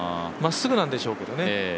まっすぐなんでしょうけどね。